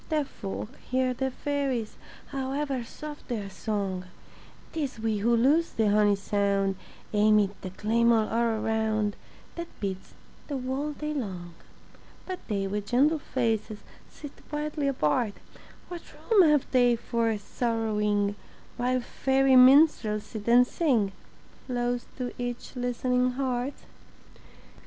Deaf folk hear the fairies, However soft their song; Tis we who lose the honey sound Amid the clamor all around That beats the whole day long. But they with gentle faces Sit quietly apart; What room have they for sorrowing While fairy minstrels sit and sing Close to each listening heart?